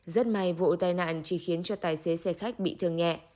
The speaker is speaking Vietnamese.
rất may vụ tai nạn chỉ khiến cho tài xế xe khách bị thương nhẹ